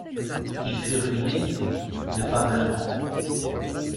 Qui fut ruiné ? le Parlement.